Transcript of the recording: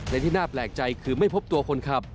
แต่ที่น่าเปลี่ยนใจคือไม่พบตัวคนขับ